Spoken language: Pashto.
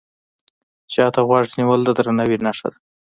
چا ته غوږ نیول د درناوي نښه ده